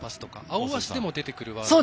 「アオアシ」でも出てくるワードが。